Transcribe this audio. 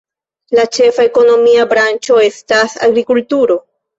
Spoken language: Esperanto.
La ĉefa ekonomia branĉo estas agrikulturo.